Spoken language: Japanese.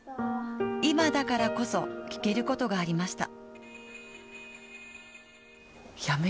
今だからこそ聞けることがありました。